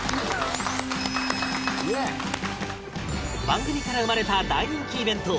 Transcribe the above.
番組から生まれた大人気イベント